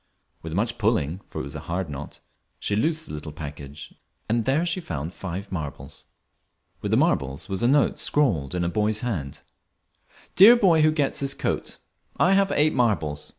With much pulling, for it was a hard knot, she loosed the little package, and there she found five marbles. With the marbles was a note scrawled in a boy's hand "DEAR BOY WHO GETS THIS COAT, I have eight marbles.